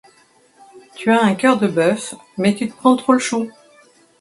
T’as un cœur de bœuf, mais tu te prends trop le chou.